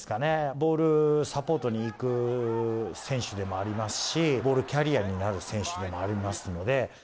ボールサポートに行く選手でもありますし、ボールキャリアーになる選手でもありますので。